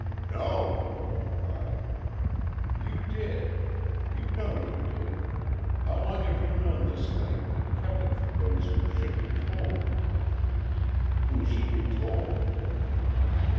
"No!" he cried. "You did. You know you did.... How long have you known this thing and kept it from those who should be told?" "Who should be told?"